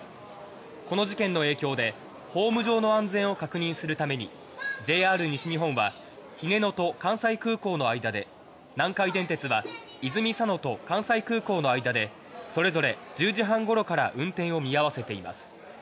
この事件の影響でホーム上の安全を確認するためにＪＲ西日本は日根野と関西空港の間で南海電鉄は関西空港の間でそれぞれ１０時半ごろから運転を見合わせています。